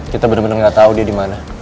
kita bener bener gak tau dia dimana